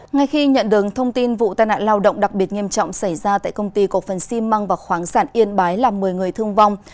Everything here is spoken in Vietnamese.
ngay khi nhận được thông tin vụ tai nạn lao động đặc biệt nghiêm trọng xảy ra tại công ty cổ phần xi măng và khoáng sản yên bái làm một mươi người thương vong